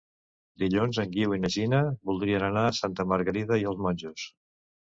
Dilluns en Guiu i na Gina voldrien anar a Santa Margarida i els Monjos.